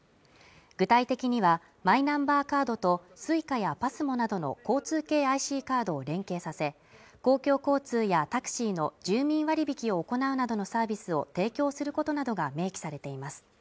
具体的にはマイナンバーカードとＳｕｉｃａやＰＡＳＭＯなどの交通系ＩＣカードを連携させ公共交通やタクシーの住民割引を行うなどのサービスを提供することなどが明記されています